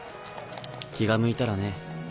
気が向いたらね。